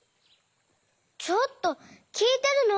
ちょっときいてるの？